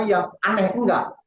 tapi aneh juga